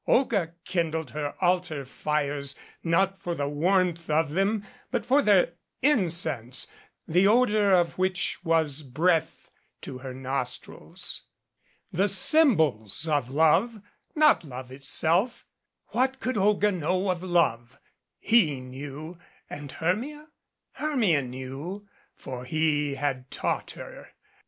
Olga kindled her altar fires not for the warmth of them, but for their incense, the odor of which was breath to her nostrils. The symbols of love not love itself what could Olga know of love? He MADCAP knew and Hermla? Hermia knew, for he had taught her.